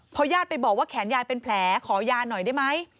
พอญาติไปบอกว่าแขนยายเป็นแผลขอยาหน่อยได้ไหม